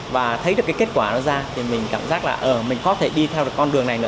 và thấy được cái kết quả nó ra thì mình cảm giác là mình có thể đi theo